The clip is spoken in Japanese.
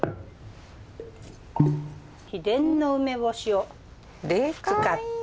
秘伝の梅干しを使って。